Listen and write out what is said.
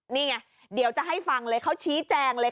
นี่ไงเดี๋ยวจะให้ฟังเลยเขาชี้แจงเลย